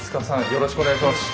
よろしくお願いします。